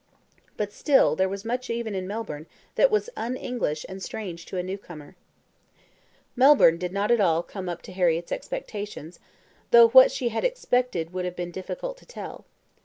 But still there was much even in Melbourne that was un English and strange to a new comer. Melbourne did not at all come up to Harriett's expectations, though what she had expected it would have been difficult to tell.